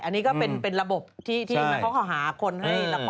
อันนี้ก็เป็นระบบที่เขาหาคนให้ละคร